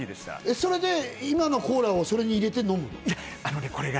それで今のコーラをそれに入れて飲むの？